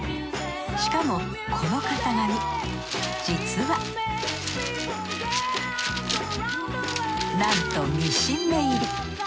しかもこの型紙実はなんとミシン目入り。